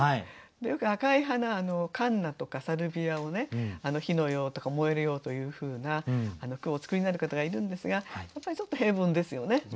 よく赤い花カンナとかサルビアを「火のよう」とか「燃えるよう」というふうな句をお作りになる方がいるんですがやっぱりちょっと平凡ですよね。